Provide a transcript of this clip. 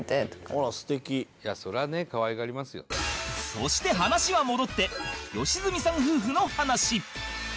そして話は戻って良純さん夫婦の話